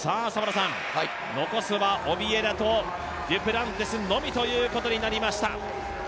残すはオビエナとデュプランティスのみということになりました。